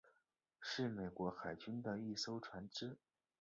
是美国海军的一艘船只。